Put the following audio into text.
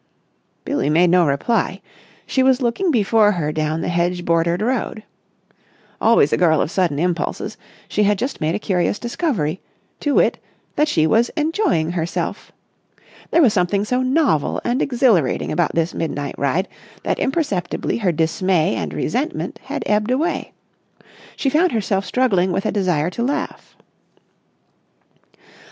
Billie made no reply. She was looking before her down the hedge bordered road. Always a girl of sudden impulses, she had just made a curious discovery, to wit that she was enjoying herself. There was something so novel and exhilarating about this midnight ride that imperceptibly her dismay and resentment had ebbed away. She found herself struggling with a desire to laugh.